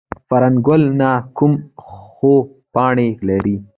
فرن ګل نه کوي خو پاڼې لري